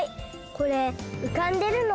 これうかんでるの？